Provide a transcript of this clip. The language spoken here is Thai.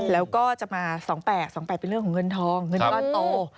แล้วก็จะมา๒๘๒๘เป็นเรื่องของเงินทองเงินก้อนโต